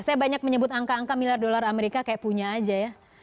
saya banyak menyebut angka angka miliar dolar amerika kayak punya aja ya